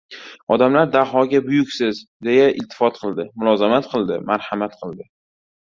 Odamlar Dahoga buyuksiz, deya iltifot qildi, mulozamat qildi, marhamat qildi.